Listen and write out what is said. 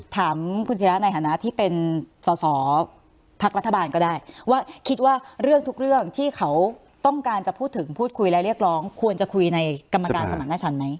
ถามคุณศิราในฐานะที่เป็นสอสอพักรัฐบาลก็ได้ว่าคิดว่าเรื่องทุกเรื่องที่เขาต้องการจะพูดถึงพูดคุยและเรียกร้องควรจะคุยในกรรมการสมรรถฉันไหม